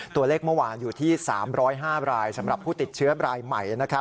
เมื่อวานอยู่ที่๓๐๕รายสำหรับผู้ติดเชื้อรายใหม่